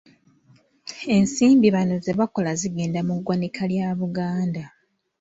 Ensimbi bano ze bakola zigenda mu ggwanika lya Buganda.